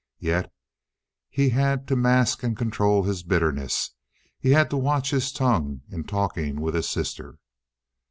Yet he had to mask and control his bitterness; he had to watch his tongue in talking with his sister.